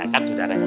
kan sudara emak